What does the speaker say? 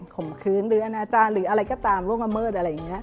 มื้อหรืออนาจารย์หรืออะไรก็ตามล่วงละเมิดอะไรอย่างนี้